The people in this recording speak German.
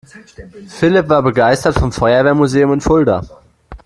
Philipp war begeistert vom Feuerwehrmuseum in Fulda.